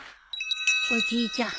おじいちゃん